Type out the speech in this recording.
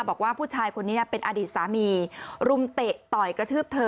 บอกว่าผู้ชายคนนี้เป็นอดีตสามีรุมเตะต่อยกระทืบเธอ